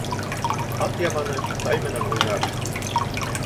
Ат яманы тай менән уйнар